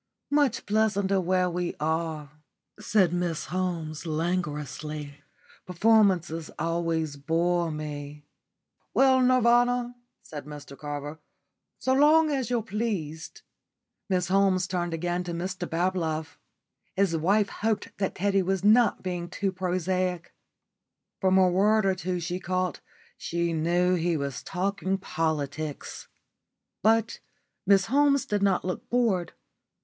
"Much pleasanter where we are," said Miss Holmes, languorously. "Performances always bore me." "Ah, well, Nirvana," said Mr Carver, "so long as you're pleased " Miss Holmes turned again to Mr Bablove. His wife hoped that Teddy was not being too prosaic. From a word or two she caught she knew he was talking politics. But Miss Holmes did not look bored.